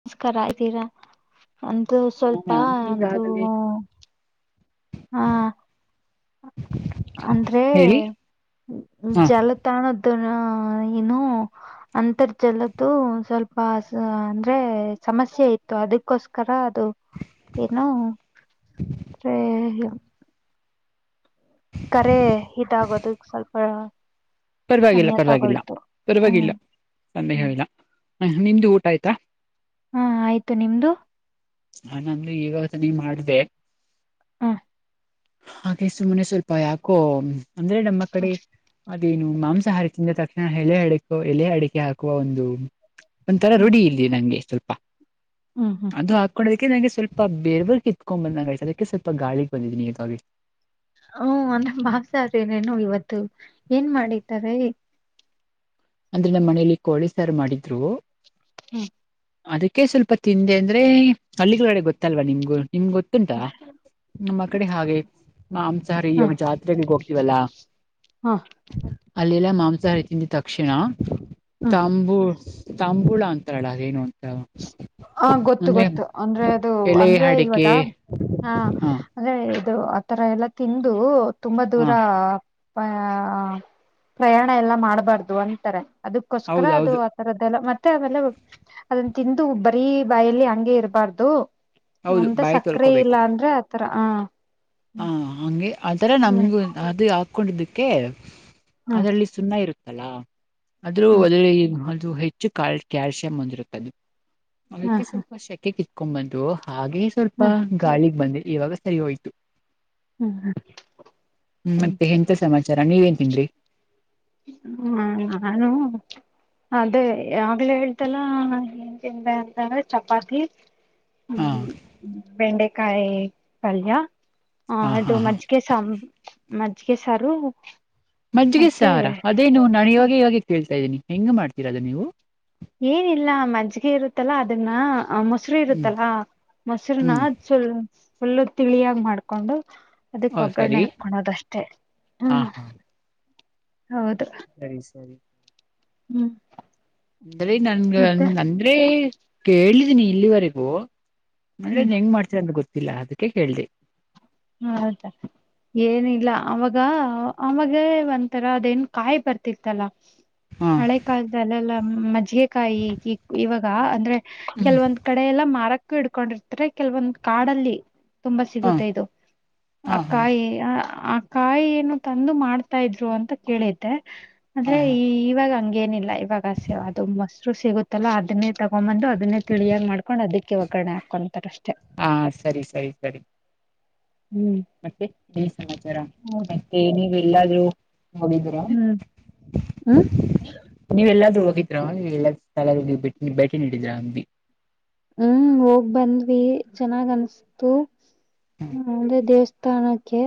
ನಮಸ್ಕಾರ ಇದ್ದೀರಾ ಅಂತೂ ಹ ಸ್ವಲ್ಪ ನಾನು ಅಂತೂ ಈಗಾಗಲೇ ಹ್ಮ. ಹಾ. ಅಂದ್ರೆ ಹೇಳಿ ಹಾ ಜಲತಾಣದನ್ನ ಇನ್ನು. ಅಂತರ್ಜಲದ್ದು ಸ್ವಲ್ಪಸ ಅಂದ್ರೆ ಸಮಸ್ಯೆ ಇತ್ತು. ಅದಕ್ ದಕೋಸ್ಕರ ಅದು ಏನೋ ಅಂದ್ರೆ ಕರೆ ಇದಾಗೋದಕ್ ಸ್ವಲ್ ಹಾ. ಪರವಾಗಿಲ್ಲ, ಪರವಾಗಿಲ್ಲ, ಹ್ಮ್ ಪರವಾಗಿಲ್ಲ, ಸಂದೇಹವಿಲ್ಲ ನಿಮ್ದು ಊಟ ಆಯ್ತಾ. ಹಾ ಆಯ್ತು ನಿಮ್ದು. ನಾನು ಒಂದ್ ಇವ್ಗ ತಾನೇ ಮಾಡ್ದೆ. ಹ. ಹಾಗೆ ಸುಮ್ಮ್ನೆ ಸ್ವಲ್ಪ ಯಾಕೋ. ಅಂದ್ರೆ ನಮ್ಮ ಹಾ. ನೀನು ಮಾಂಸಾಹಾರ ತಿಂದ ತಕ್ಷಣ ಎಲೆ ಅಡಕೋ ಎಲೆ ಅಡಿಕೆ ಹಾಕು ಒಂದು, ಒಂಥರ ರೂಡಿ ಇಲ್ಲಿ ನಂಗೆ ಸ್ವಲ್ಪ. ಹ್ಮ ಹ್ಮ. ಅದು ಹಾಕ್ಕೋಳ್ಳೋದಿಕ್ಕೆ ನಂಗೆ ಸ್ವಲ್ಪ ಬೇಬ ಕಿತ್ಕೊಂಡ ಬಂದಂಗಾಯ್ತು ಅದಕ್ಕೆ ಸ್ವಲ್ಪ ಗಾಳಿಗ ಬಂದಿದೀನಿ. ಹ್ಮ ಅನ್ ಭಾಸ ರೇನು ಇವತ್ತು ಏನ್ ಮಾಡಿದಾರೆ. ಅಂದ್ರೆ ನಮ್ಮ ಮನೇಲಿ ಕೋಳಿ ಸಾರ ಮಾಡಿದ್ರು. ಹ್ಮ. ಅದಕ್ಕೆ ಸ್ವಲ್ಪ ತಿಂದೆ ಅಂದ್ರೆ ಹಳ್ಳಿಗಳಡೆ ಗೊತ್ತಲ್ವಾ ನಿಮ್ಗು ನಿಮ್ಗ ಉಂಟಾ ನಮ್ಮ ಕಡೆ ಹಾಗೆ ಮಂಮ್ಸಹಾರಿ ಈವಾಗ ಜಾತ್ರೆಗಳ ಹೋಗ್ತೀವಲ್ಲಾ. ಹಾ ಅಲ್ಲೆಲ್ಲ ಮಾಂಸಾಹಾರಿ ತಿಂದ ತಕ್ಷಣ ಹ್ಮ್ ತಾಂಬು ತಂಬುಳ ಅಂತಾಳ ಅದೆನು. ಹ ಗೊತ್ತು ಗೊತ್ತು ಅಂದ್ರೆ ಅದು ಎಲೆ ಅಂದ್ರೆ ಇವಾಗ ಅಡಿಕೆ ಹಾ ಅಂದ್ರೆ ಇದು ಆತರ ಎಲ್ಲಾ ತಿಂದು ತುಂಬಾ ದೂರ ಹಾ ಆ ಪ್ರಯಾಣ ಎಲ್ಲ ಮಾಡ್ಬಾರ್ದು ಅಂತಾರೆ ಅದಕ್ಕೋಸ್ಕರ ಅದು ಹೌದೌದು ರದ್ದಲ್ಲ ಮತ್ತೆ ಆಮೇಲೆ ಅದನ್ನ ತಿಂದು ಬರೀ ಬಾಯಲ್ಲಿ ಹಂಗೆ ಇರಬಾರ್ದು. ಹೌದು ಒಂದ ಬಾಯಿ ಸಕ್ಕರೆ ಇಲ್ಲ ಅಂದ್ರೆ ಆತರ ಹ ಹಾ ಹಂಗೆ ಆಥರ ಹ್ಮ್ ನಮ್ಗು ಅದು ಹಾಕೊಂಡಿದ್ದಕ್ಕೆ ಹ್ಮ ಅದರಲ್ಲಿ ಸುನ್ನ ಇರುತ್ತಲ್ಲಾ ಆದ್ರೂ ಹ್ಮ್ ವದು ಅದು ಹೆ ಹೆಚ್ಚು ಕಲ್ ಕ್ಯಾಲ್ಸಿಯಮಂ ಹೊಂದಿರುತ್ತದೆ ಹ್ಮ ಅದಕ್ಕೆ ಸ್ವಲ್ಪ ಶೆಕೆ ಕ್ಂಬಂದು ಹಾಗೇ ಸ್ವಲ್ಪ ಗಾಳಿಗ ಬಂದೆ ಇವಾಗ ಸರಿ ಹೋಯ್ ಹ್ಮ ಹ್ಮ. ಹ್ಮ ಮತ್ತೆ ಹೆಂತಾ ಸಮಾಚಾರ ನೀವೇನ ತಿಂದ್ರೀ. ನಾನು ಅದೇ ಆಗ್ಲೇ ಹೇಳ್ತಲ್ಲ ಏನ್ ತಿಂದೆ ಅಂತಂದ್ರೆ ಚಪಾತಿ. ಹ್ಮ ಹಾ ಬೆಂಡೆಕಾಯಿ ಪಲ್ಯ ಅ ಹಾ ಹಾ ಅದು ಹಾ ಮಜ್ಜಿಗೆ ಸಂ ಮಜ್ಜಿಗೆ ಸಾರು. ಮಜ್ಜಿಗೆ ಮತ್ತೆ ಸಾರ ಅದೇನು ನಾನ ಇವಾಗ ಇವಾಗೆ ಕೇಳ್ತಾ ಇದೀನಿ ಹೆಂಗ್ ಮಾಡ್ತೀರ ಅದು ನೀವು. ಏನಿಲ್ಲ ಮಜ್ಜಿಗೆ ಇರುತ್ತಲ್ಲಾ ಅದನ್ನ ಮೊಸರು ಹ್ಮ್ ಇರುತ್ತಲ್ಲಾ ಮೊಸರನ ಹ್ಮ್ ಪುಲ್ ಫುಲ್ಲು ತಿಳಿಯಾಗ ಮಾಡ್ಕೊಂಡು. ಅದಕ್ಕ ಓ ಒಗ್ಗರಣೆ ಸರಿ ಹಾಕಳೋದಷ್ಟೇ ಹಾ ಹ್ಮ ಹಾ ಹೌದ. ಸರಿ ಸರಿ. ಹ್ಮ. ಬಾರಿ ಅಂದ್ರೆ ನನ್ಗ ಅಂದ್ರೆ ಕೇಳಿದೀನಿ ಇಲ್ಲಿವರೆಗೂ. ಹ್ಮ್ ಮನೇಲಿ ಹೆಂಗ ಮಾಡ್ತಿರ ಅಂತ ಗೊತ್ತಿಲ್ಲ ಅದಕ್ಕೆ ಕೇಳ್ದೆ. ಹೌದ. ಏನಿಲ್ಲ ಅವಾಗ ಅವಾಗ ಒಂಥರ ಅದೇನ ಕಾಯಿ ಬರ್ತಿತ್ತಲ್ಲ. [inaudible] ಹ್ಮ. ಮಳೆ ಕಾಲದಲ್ಲೆಲ್ಲ ಮಜ್ಜಿಗೆ ಕಾಯಿ ಇವಾಗ ಅಂದ್ರೆ ಹ್ಮ್ ಕೆಲವೊಂದ ಕಡೆ ಎಲ್ಲಾ ಮಾರಕ್ ಕ್ಕು ಇಡ್ಕೊಂಡಿರ್ತಾರೆ ಕೆಲವೊಂದ ಕಾಡಲ್ಲಿ ತುಂಬಾ ಹಾ ಸಿಗುತ್ತೆ ಇದು. ಹಾ ಆ ಹಾ ಕಾಯಿ ಆ ಕಾಯಿನು ತಂದು ಮಾಡ್ತಾ ಇದ್ರು ಅಂತ ಕೇಳಿದ್ದೆ. ಹಾ ಅಂದ್ರೆ ಹಾ ಈ ಇವಾಗ ಹಂಗೇನಿಲ್ಲ ಇವಾಗ. ಸ ಅದು ಮೊಸರು ಸಿಗುತ್ತಲ್ಲ ಅದನ್ನೇ ತಗೊಂಬಂದು ಅದನ್ನೇ ತಿಳಿಯಾಗ ಮಾಡ್ಕೊಂಡ ಅದಕ್ಕೆ ಒಗ್ಗರಣೆ ಹಾಕೊಂತಾರ ಅಷ್ಟೇ. ಆ ಸರಿ ಸರಿ ಸರಿ. ಹ್ಮ್ ಮತ್ತೆ ಏನ್ ಸಮಾಚಾರ ಮತ್ತೆ ನೀವ ಎಲ್ಲಾದ್ರೂ ಹೋಗಿದರಾ. ಹ್ಮ್ ಹ್ಮ್ ನೀವು ಎಲ್ಲಾದ್ರು ಹೋಗಿದ್ರ ನೀ ಎಲ್ಲ ಸ್ಥಳಗಳ ಭೇಟಿ ನೀಡಿದ್ರಾ ಅಂಬಿ. ಹ್ಮ್ ಹೋಗ್ ಬಂದ್ವಿ ಚೆನ್ನಾಗ್ ಅನ್ಸ್ತು ಹ್ಮ್ ಅಂದ್ರೆ ದೇವಸ್ಥನಾ ದೇವಸ್ಥಾನ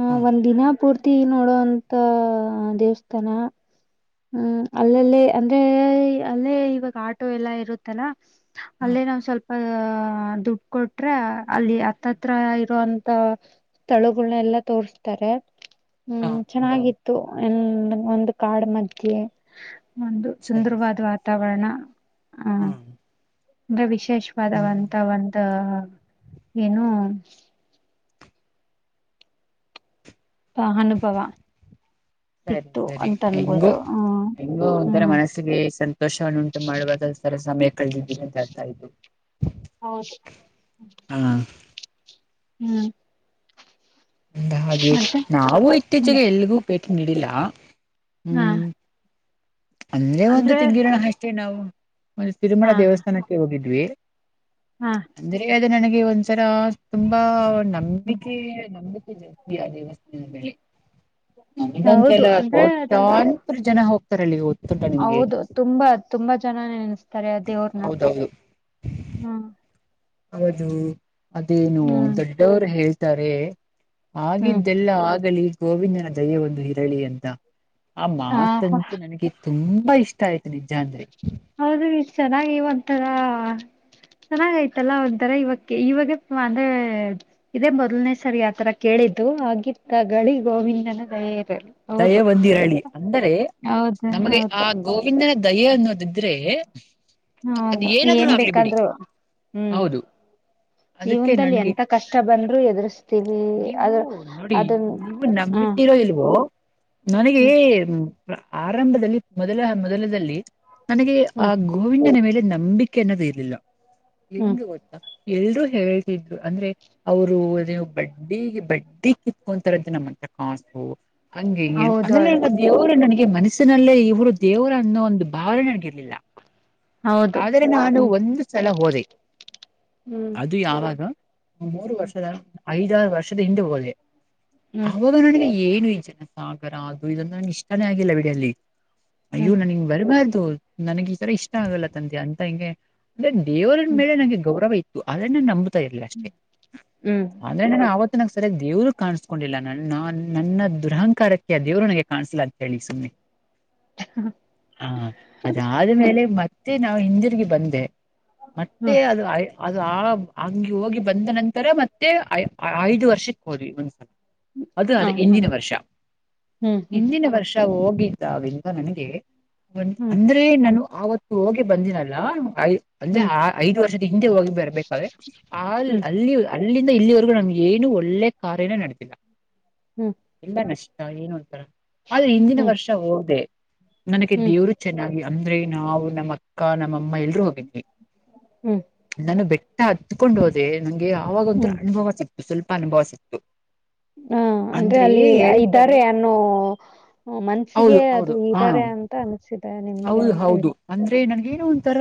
ಆ ಹ್ಮ್ ಒಂದ್ ದಿನ ಪೂರ್ತಿ ನೋಡೋಂತ ದೇವಸ್ಥಾನ. ಹ್ಮ್ ಅಲ್ಲಲ್ಲೇ ಅಂದ್ರೆ ಅಲ್ಲೇ ಇವಾಗ ಆಟೋ ಎಲ್ಲಾ ಇರುತ್ತೆ. ಹ್ಮ್ ಅಲ್ಲೇ ನಾವು ಸ್ವಲ್ಪ. ಆಹ ದುಡ್ಡು ಕೊಟ್ರೆ ಅಲ್ಲಿ ಹತ್ತತ್ರ ಇರೋಂತ. ಸ್ಥಳುಗಳನ್ನ ಎಲ್ಲ ತೋರ್ಸ್ತಾರೆ. ಹ್ಮ್ ಹಾ ಚೆನ್ನಾಗಿತ್ತು ಇತ್ತು ಒಂದು ಕಾಡ್ ಮಧ್ಯೆ. ಒಂದು ಸರಿ ಸುಂದರವಾದ ಸರಿ ಸರಿ ವಾತಾವರಣ ಆಹ ಹ್ಮ್ ಅಂದ್ರೆ ವಿಶೇಷ. ಹ್ಮ್ ಪದವಂತ ಒಂದ ಏನು. ಅನುಭವ. ಸರಿ ಸಿಕ್ತು ಸರಿ ಅಂತ ಹೆಂಗೋ ಅನ್ಬೋದು ಹ್ಮ್ ಹೆಂಗೋ ಒಂಥರ ಹ್ಮ್ ಮನಸ್ಸ ಸಂತೋಷವನ್ನು ಉಂಟು ಮಾಡುವಸರ ಸಮಯ ಕಳದಿದ್ದೀರಡ್ತಾ ಇದು. ಹೌ. ಹಾ. ಹ್ಮ್ ಅ ಹಾಗೆ ಮತ್ತೆ ನಾವು ಹ್ಮ್ ಇತ್ತೀಚಿಗೆ ಎಲ್ಗೂ ಭೇಟಿ ನೀಡಿಲ್ಲ ಹಾ ಹ್ಮ್. ಅಂದ್ರೆ ಒಂದು ತಿಂಗಿಣ ಅಷ್ಟೇ ನಾವು ಒಂದು ತಿರುಮಳ ಹಾ ದೇವಸ್ಥಾನಕ್ಕೆ ಹೋಗಿದ್ವಿ. ಹಾ ಅಂದ್ರೆ ಅದು ನನಗೆ ಒಂದ್ಸರ ತುಂಬಾ ನಂಬಿಕೆ ನಂಬಿಕೆ ಜಾಸ್ತಿ. ಹೌದು ಅಂದ್ರೆ ಅದ ಕೊಟ್ಟಂತ ಜನ ಹೋಗ್ತಾರೆ. ರಲ್ಲಿ ಗೊತ್ತುಟ ನಿಮ್ಗೆ. ಹೌದು ತುಂಬಾ ತುಂಬಾ ಜನ ನೆನೆಸ್ತಾರೆ ಆ ದೇವ್ರನ್ನ ಹೌದೌದು ಹ್ಮ್. ಹೌದು ಅದೇನು ಹ್ಮ್ ದೊಡ್ಡವರು ಹೇಳ್ತಾರೆ. ಹ್ಮ್ ಆಗಿದ್ದೆಲ್ಲ ಆಗಲಿ ಗೋವಿಂದನ ದಯೆ ಒಂದು ಇರಲಿ ಅಂತ. ಆ ಮಾತಂತೂ ನನಗೆ ತುಂಬಾ ಇಷ್ಟ ಆಯ್ತು ನಿಜ ಅಂದ್ರೆ. ಹೌದು ಇಷ್ಟು ಚೆನ್ನಾಗಿ ಒಂತರ. ಚೆನ್ನಾಗಯ್ತಲ್ಲ ಒಂಥರ ಇವಕ್ಕೆ ಇವಾಗ ಅಂದ್ರೆ. ಇದೇ ಮೊದಲ್ನೇ ಸರಿ ಆತರ ಕೇಳಿದ್ದು ಆಗಿದ್ದ ಗಗಳಿ ಗೋವಿಂದನ ದಯೆಯಿದೆ. ದಾಯೆ ಒಂದು ಇರಲಿ ಅಂದರೆ ಹೌದು ನಮಗೆ ಆ ಹೌದು ಗೋವಿಂದನ ದಯೆ ಅನ್ನೋದು. ಇದ್ರೆ ಅದು ಹೌದು ಏನಾದ್ರು ಏನ್ ಹಾಗಲಿ ಬಿಡಿ ಬೇಕಾದ್ರು ಹ್ಮ್ ಹೌದು. ಅದಕ್ಕೆ ಜೀವನದಲ್ಲಿ ನನ್ಗೆ ಎಂತ ಕಷ್ಟ ಬಂದರು ಎದುರ್ಸ್ತೀವಿ ನೀವು ಅದ್ರ ನೋಡಿ ಅದನ್. ನೀವು ಹ್ಮ ನಂಬಿತಿರೋ ಇಲ್ವೋ. ನನಗೆ ಹ್ಮ್ ಆರಂಭದಲ್ಲಿ ಮೊದಲ ಮೊದಲದಲ್ಲಿ. ನನಗೆ ಆ ಹ್ಮ್ ಗೋವಿಂದನ ಮೇಲೆ ನಂಬಿಕೆ ಅನ್ನೋದು ಇರ್ಲಿಲ್ಲ ಹ್ಮ್ ಹೆಂಗ. ಎಲ್ರೂ ಹೇಳ್ತಿದ್ರು ಅಂದ್ರೆ. ಅವರು ಅದೇವು ಬಡ್ಡಿ ಬಡ್ಡಿ ಕಿತ್ಕೊಂತಾರದ್ದ ನಮ್ಮತ್ರ ಕಾಸು. ಹಂಗೆ ಹೌದು ಅದೆಲ್ಲ ದೇವರು ನನಗೆ ಮನಸ್ಸಿನಲ್ಲೇ ಇವರು ದೇವರ ಅನ್ನೋ ಒಂದು ಭಾವನೆ ನನಗಿರ್ಲಿಲ್ಲ. ಹೌದು ಆದ್ರೆ ನಾನು ಹ್ಮ್ ಒಂದು ಸಲ ಹೋದೆ. ಹ್ಮ್ ಅದು ಯಾವಾಗ ಮೂರು ವರ್ಷದ ಐದಾರು ವರ್ಷದ ಹಿಂದೆ ಹೋಗದೆ. ಹ್ಮ್ ಅವಾಗ ನನಗೆ ಏನು ಈ ಜನ ಸಾಗರ ಅದು ಇದಂದ ನನ್ಗೆ ಇಷ್ಟಾನೇ ಆಗಿಲ್ಲ ಬಿಡಲ್ಲಿ. ಅಯ್ಯೋ ಹ್ಮ್ ನನ್ಗ್ ಬರಬಾರ್ದು ನನಗ್ ಈ ತರ ಇಷ್ಟ ಆಗಲ್ಲ ತಂದೆ ಅಂತ ಹಿಂಗೆ. ಲೇ ದೇವರನ ಹ್ಮ್ ಮೇಲೆ ನಂಗೆ ಗೌರವ ಇತ್ತು ಆದ್ರ ನಾ ನಂಬತಾ ಇರ್ಲಿಲ್ಲ ಅಷ್ಟೇ. ಹ್ಮ್ ಹ್ಮ್ ಅಂದ್ರೆ ನಾನ ಆವತ್ತ ಸರಿ ದೇವ್ರು ಕಾಣಿಸಸ್ಕೊಂಡಿಲ್ಲ ನಾ ನನ್ನ ದುರಹಂಕಾರಕ್ಕೆ ದೇವ್ರು ನನಗೆ ಕಾಣಸ್ಲ ಹೇಳಿ ಸುಮ್ನೆ. [inaudible] ಹಾ ಹ್ಮ್ ಅದಾದ್ಮೇಲೆ ಮತ್ತೆ ನಾವ ಹಿಂದಿರ್ಗಿ ಬಂದೆ. ಮತ್ತೆ ಹ್ಮ್ ಅದ ಅ ಅದು ಆಳ ಹಂಗೆ ಹೋಗಿ ಬಂದ ನಂತರ ಮತ್ತೆ ಐ ಐದು ವರ್ಷಕ್ಕೆ ಹೋದ್ವಿ. ಅದು ಹ ಅದ ಹ ಇಂದಿನ ವರ್ಷ ಹ್ಮ್ ಹ್ಮ್ ಇಂದಿನ ವರ್ಷ. ಹೋಗಿದ್ದವ ನನಗೆ ಒ ಹ್ಮ್ ಅಂದ್ರೆ ನಾನು ಆವತ್ತ ಹೋಗಿ ಬಂದಿಲಲ್ಲ ಅಯ್ ಅಂದ್ರೆ ಹ್ಮ್ ಆ ಐದ ವರ್ಷದ ಹಿಂದೆ ಹೋಗಿ ಬರ್ಬೇಕಾರೇ ಆಲ್ ಹ್ಮ್ ಅಲ್ಲಿ ಅಲ್ಲಿಂದ ಇಲ್ಲಿವರೆಗೂ ನಮ್ಗೆ ಏನು ಒಳ್ಳೆ ಕಾರ್ಯನ ನಡದಿಲ್ಲ. ಹ್ಮ್ ಎಲ್ಲ ನಷ್ಟ ಏನ ಅಂತರ ಆದ್ರೆ ಹಿಂದಿನ ಹ್ಮ್ ವರ್ಷ ಹೋದೆ ನನಗೆ ಹ್ಮ್ ದೇವರು ಚೆನ್ನಾಗಿ ಅಂದ್ರೆ ನಾವು ನಮ್ಮ ಅಕ್ಕ ನಮ್ಮ ಅಮ್ಮ ಎಲ್ರೂ ಹೋಗಿದ್ವಿ. ಹ್ಮ್ ನಾನು ಬೆಟ್ಟ ಹತ್ಕೊಂಡ ಹೋದೆ ನಂಗೆ ಯಾವಾಗ ಒಂತರ ಹ್ಮ್ ಅನುಭವ ಸಿಕ್ತು ಸ್ವಲ್ಪ ಅನುಭವ ಸಿಕ್ತು. ಹಾ ಹಂಗೆ ಅಂದ್ರೆ ಅಲ್ಲಿ ಹೇಳ್ತಾರೆ ಇದ್ದಾರೆ ಅನ್ನು. ಹ ಮನ್ಸಿಗೆ ಹೌದು ಹೌದು ಅದು ಹಾ ಇದ್ದಾರೆ ಅಂತ ಅನ್ಸಿದೆ ನಿಮ್ಗೆ ಹೌದು ಅಂತ ಹೌದು ಹೇಳಿ. ಅಂದ್ರೆ ನನ್ಗೇನೋ ಒಂಥರ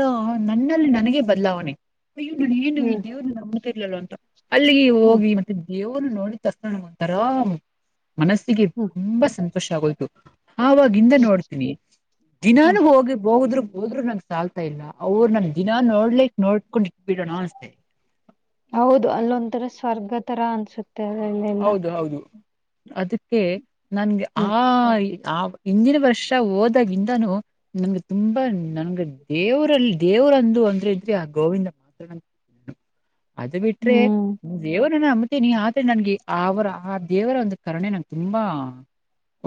ನನ್ನಲ್ಲಿ ನನಗೆ ಬದಲಾವಣೆ ಅಯ್ಯೋ ನ ಏನ ಹ್ಮ್ ದೇವರು. [unintelligible] ಅಂತ ಅಲ್ಲಿಗೆ ಹ್ಮ್ ಹೋಗಿ ಮತ್ತೆ ದೇವರು ನೋಡಿ ತಸ್ಣೊಂತಾರ ಮನಸ್ಸಿಗೆ ಹ್ಮ್ ತುಂಬಾ ಸಂತೋಷ ಆಗೋಯ್ತು ಆವಾ ಇಂದ ಹ್ಮ್ ನೋಡ್ತೀನಿ ದಿನಾನು ಹ್ಮ್ ಹೋಗಿ ಹೋಗದ ಹೋದ್ರು ನಂಗ ಸಾಲ್ತಾ ಇಲ್ಲ ಅವ್ರು ನ ದಿನ ನೋಡ್ಲಿಕ ನೋಡ್ಕೊಂಡು ಇದ್ದ ಬಿಡೋಣ ಅಷ್ಟೆ. ಹೌದ ಅಲ್ಲೊಂದ ತರ ಸ್ವರ್ಗ ತರ ಅನ್ಸುತ್ತೆ ಅಲ್ಲಿಂದ ಹೌದು ಹೌದು. ಅದಕ್ಕೆ ನನ್ಗೆ ಹ್ಮ್ ಆ ಆ ಹಿಂದಿನ ವರ್ಷ ಹೋದಾಗಿಂದನೂ ನಂಗೆ ತುಂಬಾ ನನ್ಗೆ ದೇವರಲ್ಲಿ ದೇವರಂದು ಅಂದ್ರೆ ಇದ್ರೆ ಆ ಗೋವಿಂದ ಮಾತ್ರ ಅದು ಬಿಟ್ರೆ ಹ್ಮ್ ದೇವರನ್ನಮ ತೆನಿ ಆದ್ರೆ ನನ್ಗೆ ಅವರ ಆ ದೇವರ ಒಂದ ಕರುಣೆ ನಂಗ ತುಂಬಾ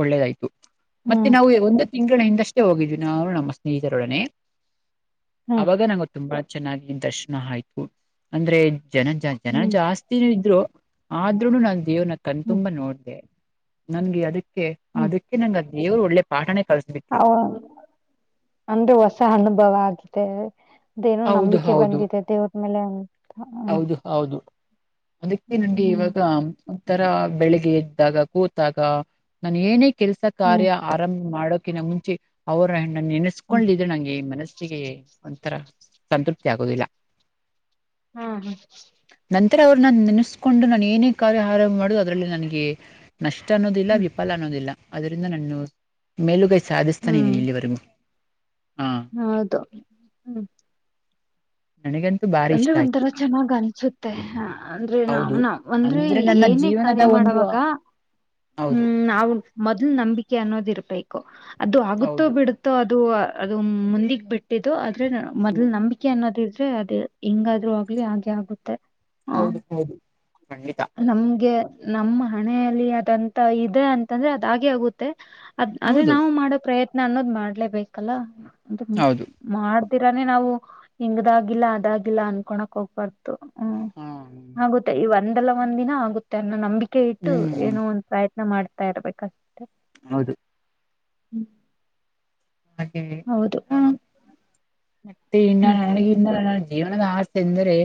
ಒಳ್ಳೇದಾಯ್ತು. ಮತ್ತೆ ಹ್ಮ್ ನಾವು ಒಂದ ತಿಂಗಳ ಹಿಂದಷ್ಟೇ ಹೋಗಿದ್ವಿ ನಾವು ನಮ್ಮ ಸ್ನೇಹಿತರೊಡನೆ ಹ್ಮ್ ಅವಾಗ ನಂಗ ತುಂಬಾ ಚೆನ್ನಾಗಿ ದರ್ಶನ ಆಯ್ತು ಅಂದ್ರೆ ಜನ ಜ ಜನ ಹ್ಮ್ ಜಾಸ್ ಇದ್ರು ಆದ್ರೂನು ನಾನ ದೇವರನ ಹ್ಮ್ ಕಣ್ತುಂಬ ನೋಡ್ದ ನನ್ಗೆ ಅದಕ್ಕೆ ಅದಕ್ಕೆ ನಾ ಆ ದೇವ್ರ ಒಳ್ಳೆ ಪಾಠನೇ ಕಲ್ಸ ಹಾ ಅಂದ್ರೆ ಹೊಸ ಹನುಭವ ಆಗಿದೆ. ಇದೇನು ಹೌದು ನಂಬಿಕೆ ಬಂದಿದೆ ದೇವರ್ಮೆಲೆ ಹಾ ಉದ ಹೌದು. ಅದಕ್ಕೆ ನಂಗೆ ಹ್ಮ್ ಇವಾಗ ಒಂಥರ ಬೆಳಿಗ್ಗೆ ಎದ್ದಾಗ ಕೂತಾಗ ನಾನ ಏನೇ ಕೆಲ್ಸ ಹ್ಮ್ ಕಾರ್ಯ. ಆರಂಭ ಮಾಡೋಕಿನ ಮುಂಚೆ ಅವ್ರ ಅನ್ನ ಹ್ಮ್ ನೆನೆಸ್ಕೊಂಡಿದ ನಂಗೆ ಈ ಮನಸ್ಸಿಗೆ ಒಂಥರ ಸಂತೃಪ್ತಿ ಆಗುದಿಲ್ಲ. ಹಾ ಹಾ ನಂತರ ಅವ್ರನ್ನ ನೆನಸ್ಕೊಂಡು ನಾನ ಏನೇ ಕಾರ್ಯಹಾರ ಮಾಡುದು ಅದರಲ್ಲಿ ನನಗೆ ನಷ್ಟ ಅನ್ನೋದಿಲ್ಲ ಹ್ಮ್ ವಿಫಲ ಅನ್ನೋದಿಲ್ಲ ಅದರಿಂದ ನನ್ನು ಮೇಲುಗೈ ಸಾಧಿಸ್ತಾನ ಹ್ಮ್ ಇದೀನಿ ಇಲ್ಲಿವರೆಗೂ ಹಾ ಹೌದು ಹ್ಮ. ನನಗಂತ [unintelligible] ಅಂದ್ರೆ ಒಂಥರ ಚೆನ್ನಾಗ್ ಅನ್ಸುತ್ತೆ ಅಂದ್ರೆ ನಾವ್ ಹೌದು ನಾವ ಅಂದ್ರೆ ನನ್ನ ಏನೆ [inaudible] ಜೀವನದ ಕಾರ್ಯ ಒಂದು ಮಾಡವಾಗ ಹೂ ಹೌದು ನಾವು [inaudible] ಮೊದಲ್ಲ ನಂಬಿಕೆ ಅನ್ನೋದ ಇರ್ಬೇಕು ಅದು ಆಗುತ್ತೋ ಹೌದು ಬಿಡುತ್ತೋ ಅದು ಅದು ಮುಂದಿಗ್ ಬಿಟ್ಟ [inaudible] ಟ್ಟಿದು ಆದ್ರೆ ಮೊದಲ ನಂಬಿಕೆ ಅನ್ನೋದ ಇದ್ರೆ ಅದು ಹೆಂಗ ಆದ್ರೂ ಆಗ್ಲಿ ಹಾಗೆ ಆಗುತ್ತೆ. [inaudible] ಹೌದ ಹೌದ ಖಂಡಿತ. [inaudible] ನಮಗೆ ನಮ್ಮ ಹಣೆಯಲ್ಲಿ ಅದಂತ ಇದೆ ಅಂತಂದ್ರೆ ಅದ ಆಗೆ ಆಗುತ್ತೆ. [inaudible] ಅದ್ ಆದ್ರೆ ಹೌದು ನಾವು ಮಾಡೋ ಪ್ರಯತ್ನ ಅನ್ನೋದ್ ಮಾಡಲೇ ಬೇಕಲ್ಲ ಅ ಹೌದು [inaudible] ಮಾಡದಿರಾನೇ ನಾವು ಹಿಂಗದಾಗಿಲ್ಲ ಅದಾಗಿಲ್ಲ ಅನ್ಕೋಳಕ್ ಹೋಗ್ಬಾರ್ದ. [inaudible] ಹೂ ಹಾ ಆಗುತ್ತೆ ಈ ಒಂದಲ್ಲ ಒಂದ್ ದಿನ ಆಗುತ್ತೆ ಅನ್ನೋ ನಂಬಿಕೆ ಇಟ್ಟು ಹ್ಮ್ ಏನೋ ಒಂದ. [inaudible] ಪ್ರಯತ್ನ ಮಾಡ್ತಾ ಇರ್ಬೇಕ ಅಸ [inaudible] ಹೌದು? [inaudible] ಹಾಗೆ ಹೌದು? [inaudible] ಆ, ಮತ್ತೆ ಇನ್ನ ಹ್ಮ್ ನನಗಿನ್ನ ಜೀವನದ ಆಸೆ ಎಂದ್ರೆ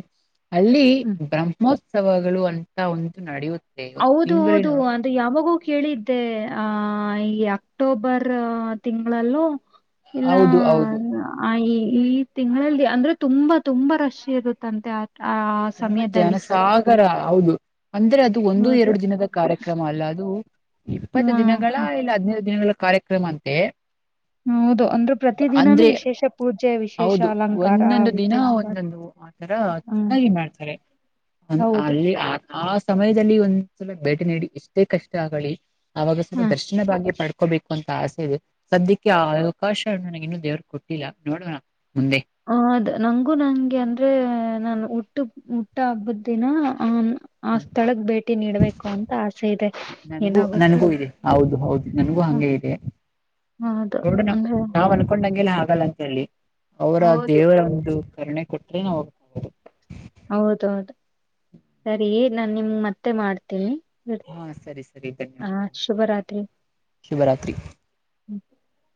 ಅಲ್ಲಿ ಹ್ಮ್ ಬ್ರಹ್ಮೋತ್ [inaudible] ಉತ್ಸವಗಳು ಒಂಟಾ ಒಂದು ನಡೆಯುತ್ತೆ ಒಂದು ಹೌದು ಹೌದು ತಿಂಗಳೇನು? [inaudible] ಅದು ಯಾವಾಗೂ ಕೇಳಿದ್ದೆ ಆ ಈ ಅಕ್ಟೋಬರ್ ತಿಂಗಳಲ್ಲೂ [inaudible] ಇಲ್ಲಾ ಹೌದು ಹೌದು ನಾ [inaudible] ಆ ಈ ಈ ತಿಂಗಳಲ್ಲಿ ಅಂದ್ರೆ ತುಂಬಾ ತುಂಬಾ ರಶ್ ಇರುತ್ತಂತೆ. ಆ [inaudible] ಆ ಸಮಯದಲ್ಲಿ. [inaudible] ಸರ್ ಹೌದು ಅಂದ್ರೆ ಅದ [inaudible] ದು ಒಂದು ಹೌದು ಎರಡು ದಿನದ ಕಾರ್ಯಕ್ರಮ ಅಲ್ಲ ಅದು ಹ್ಮ ಇಪ್ಪತ್ತು ದಿನಗಳ ಹ ಇಲ್ಲ ಹದನೈದು ದಿನಗಳ ಕಾರ್ಯಕ್ [inaudible] ಕ್ರಮಂತೆ. [inaudible] ಹೌದು ಅಂದ್ರು ಪ್ರತಿ ದಿನಾನೂ ವಿಶೇಷ [inaudible] ವಿಶೇಷ ಹೌದು ಅಲಂಕಾರ ಒಂದೊಂದು ದಿನ ವಿಶೇಷವಾದ ಒಂದೊಂದು ಆತರ ಹ್ಮ್ ಚೆನ್ನಾಗಿ ಮಾಡ್ತಾರೆ. ಹೌದು [unintelligible] [inaudible] ಆ ಸಮಯದಲ್ಲಿ ಒಂದ್ ಸಲ ಭೇಟಿ ನೀಡಿ ಎಷ್ಟೇ ಕಷ್ಟ ಆಗಲಿ ಅವಾಗ ಸ್ವಲ್ಪ ಹಾ ದರ್ಶನ ಬಾಗಿ ಪ [inaudible] ಡಕೋಬೇಕು ಅಂತ ಆಸೆ ಇದೆ ಸದ್ಯಕ್ಕೆ ಆ ಅವಕಾಶ ನನಗ ಇನ್ನು ದೇವ್ರ ಕೊಟ್ಟಿಲ್ಲ ನೋಡೋಣ ಮುಂದೆ. [inaudible] ಹೌದ ನಂಗು ನಂಗೆ ಅಂದ್ರೆ ನಾನ ಹುಟ್ಟು ಹುಟ್ಟ ಹಬ್ಬದ ದಿನ ಆ [inaudible] ಆ ಹ್ಮ್. ಸ್ಥಳಕ್ಕೆ ಭೇಟಿ ನೀಡಬೇಕು ಅಂತ ಆಸೆ ಇದೆ ಏನ್ ನನಗೂ ಆಗುತ್ತೋ ಹ [inaudible] ಹೌದು ನೋಡೋನಾ ಅಂದ್ರೆ ನಾವ್ ಅನಕೊಂಡ ಅಂಗ ಏನ್ ಹಾಗಲ್ಲ ಅಂತ. [inaudible] ಅಲ್ಲಿ ಅವರ ಹೌದು ದೇವರ ಒಂದು ಕರುಣೆ ಕೊಟ್ರೆ ನಾವು. [inaudible] ಹೌದ ಹೌದ ಸರಿ ನಾನ್ ನಿಮ್ ಮತ್ತೆ ಮಾಡ್ತೀನಿ. [inaudible] ಸರಿ ಹಾ ಸರಿ ಸರಿ ಆ ಧನ್ಯವಾದಗಳು ಶುಭರಾತ್ರಿ. [inaudible] ಶುಭರಾತ್ರಿ. [inaudible] ಹು [inaudible]